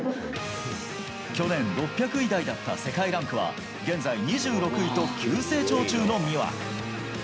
去年６００位台だった世界ランクは、現在２６位と急成長中の美和。